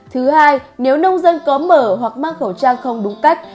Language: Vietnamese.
thứ hai nếu nông dân có mở hoặc mang khẩu trang không đúng cách